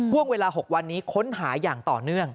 ห่วงเวลา๖วันนี้ค้นหาอย่างต่อเนื่อง